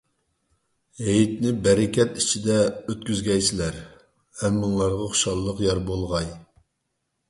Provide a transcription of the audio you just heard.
ھېيتنى بەرىكەت ئىچىدە ئۆتكۈزگەيسىلەر، ھەممىڭلارغا خۇشاللىق يار بولغاي.